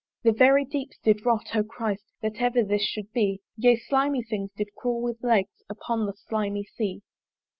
The very deeps did rot: O Christ! That ever this should be! Yea, slimy things did crawl with legs Upon the slimy Sea.